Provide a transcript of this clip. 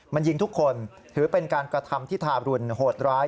มันยิงทุกคนถือเป็นการกระทำที่ทาบรุณโหดร้าย